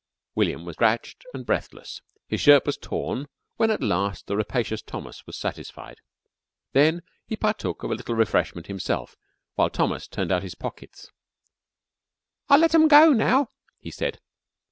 William was scratched and breathless, and his shirt was torn when at last the rapacious Thomas was satisfied. Then he partook of a little refreshment himself, while Thomas turned out his pockets. "I'll let 'em go now," he said.